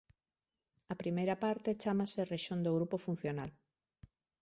A primeira parte chámase rexión do grupo funcional.